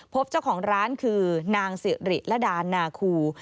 พบเจ้าของร้านคือนางเสี้ยเรดราดารนาคู